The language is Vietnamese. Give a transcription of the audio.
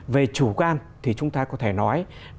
về chủ quan thì chúng ta có thể nói